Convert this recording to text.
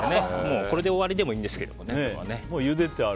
これで終わりでもいいんですけど。